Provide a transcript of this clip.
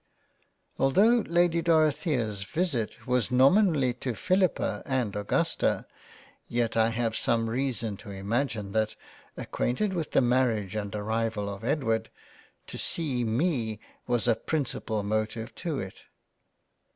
13 £ JANE AUSTEN Altho' Lady Dorothea's visit was nominally to Philippa and Augusta, yet I have some reason to imagine that (ac quainted with the Marriage and arrival of Edward) to see me was a principal motive to it.